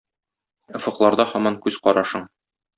Офыкларда һаман күз карашың?